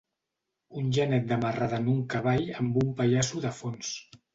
Un genet de marrada en un cavall amb un pallasso de fons.